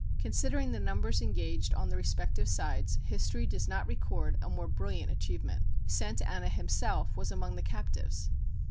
Considering the numbers engaged on the respective sides, history does not record a more brilliant achievement. Santa Anna himself was among the captives.